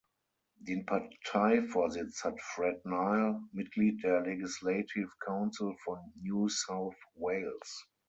Den Parteivorsitz hat Fred Nile, Mitglied des Legislative Council von New South Wales.